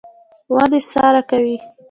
ونې سا راکوي.